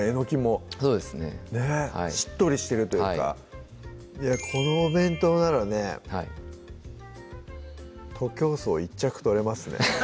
しっとりしてるというかはいこのお弁当ならねはい徒競走１着取れますね